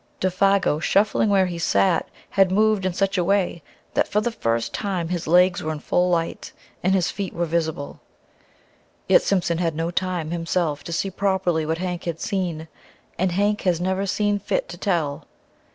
Défago, shuffling where he sat, had moved in such a way that for the first time his legs were in full light and his feet were visible. Yet Simpson had no time, himself, to see properly what Hank had seen. And Hank has never seen fit to tell.